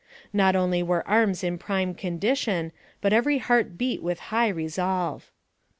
Not only were arms in prime condition, but every heart beat with high resolve.